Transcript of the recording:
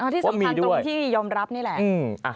ที่สำคัญตรงที่ยอมรับนี่แหละ